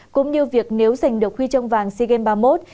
cũng như việc nếu giành được huy chương vàng sea games ba mươi một